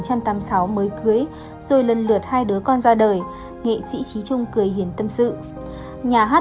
từ năm một nghìn chín trăm tám mươi sáu mới cưới rồi lần lượt hai đứa con ra đời nghệ sĩ trí trung cười hiền tâm sự nhà hát